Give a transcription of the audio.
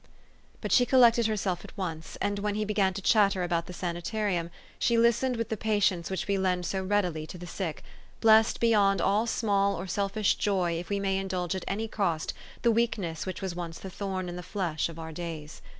But she collected herself at once ; and, when he began to chatter about the sanitarium, she listened with the patience which we lend so readily to the sick, blessed beyond all small or selfish joy if we may indulge at any cost the weakness which was once the thorn in the flesh of our days.